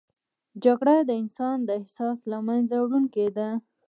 جګړه د انسان د احساس له منځه وړونکې ده